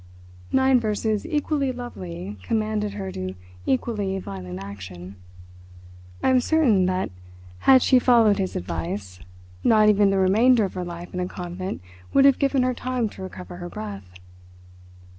'" Nine verses equally lovely commanded her to equally violent action. I am certain that had she followed his advice not even the remainder of her life in a convent would have given her time to recover her breath.